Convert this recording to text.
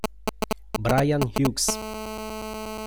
Bryan Hughes